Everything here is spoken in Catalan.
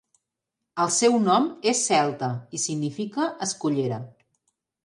El seu nom és celta i significa 'escullera'.